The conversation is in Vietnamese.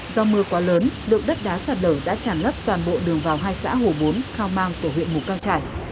do mưa quá lớn lượng đất đá sạt lở đã tràn lấp toàn bộ đường vào hai xã hồ bốn khao mang của huyện mù căng trải